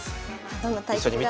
どんな対局か。